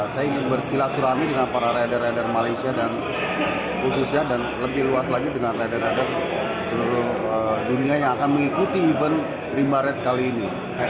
saya ingin bersilaturahmi dengan para rider rider malaysia dan khususnya dan lebih luas lagi dengan rider rider seluruh dunia yang akan mengikuti event rimba red kali ini